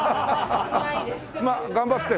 まっ頑張って。